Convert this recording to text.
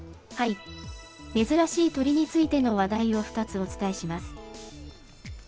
珍しい鳥についての話題を２つ、お伝えします。